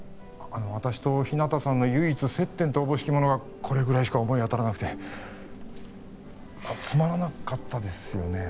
私と日向さんの唯一接点とおぼしきものがこれぐらいしか思い当たらなくてつまらなかったですよね